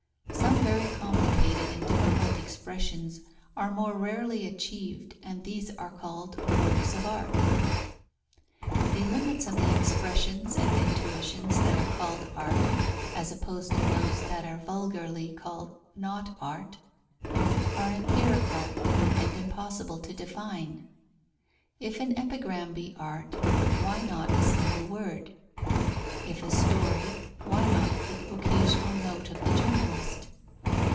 Some very complicated and difficult expressions are more rarely achieved and these are called works of art. The limits of the expressions and intuitions that are called art, as opposed to those that are vulgarly called not art, are empirical and impossible to define. If an epigram be art, why not a single word? If a story; why not the occasional note of the journalist?